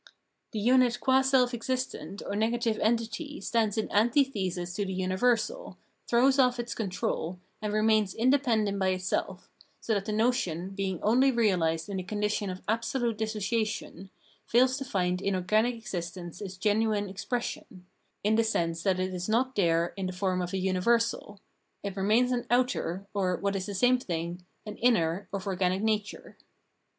The unit qua self existent or negative entity stands in antithesis to the universal, throws ofi its control, and remains independent by itself, so that the notion, being only reahsed in the condition of absolute dissocia tion, fails to find in organic existence its genuine ex pression, in the sense that it is not there in the form of a universal; it remains an "outer," or, what is the same thing, an " inner " of organic nature.